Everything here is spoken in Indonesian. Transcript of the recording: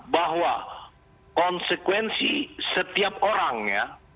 bahwa konsekuensi setiap orang ya